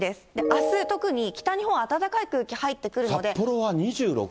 あす、特に北日本、暖かい空気、入ってくるので。